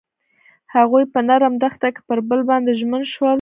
هغوی په نرم دښته کې پر بل باندې ژمن شول.